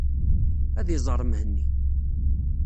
Ad iẓer Mhenni.